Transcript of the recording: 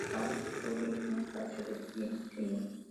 Backstreet Ruby es un parche del kernel Linux.